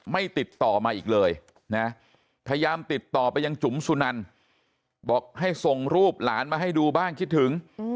ไม่ติดต่อมาอีกเลยนะพยายามติดต่อไปยังจุ๋มสุนันบอกให้ส่งรูปหลานมาให้ดูบ้างคิดถึง